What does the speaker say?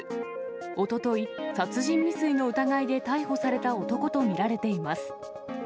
おととい、殺人未遂の疑いで逮捕された男と見られています。